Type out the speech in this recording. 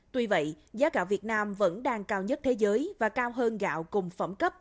tuy vậy giá gạo việt nam vẫn đang cao nhất thế giới và cao hơn gạo cùng phẩm cấp